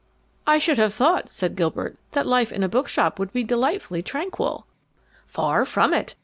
"I should have thought," said Gilbert, "that life in a bookshop would be delightfully tranquil." "Far from it.